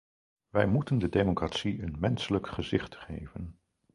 Wij moeten de democratie een menselijk gezicht geven.